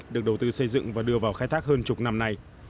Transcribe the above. được đầu tư xây dựng và đưa vào khai thác hơn chục năm nay